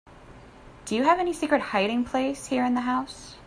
Do you have any secret hiding place here in the house?